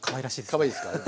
かわいいですか。